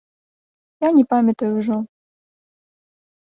А не памятаю ўжо.